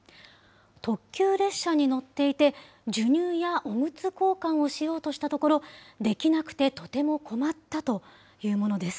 特急列車に乗っていて、授乳やおむつ交換をしようとしたところ、できなくてとても困ったというものです。